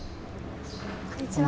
こんにちは。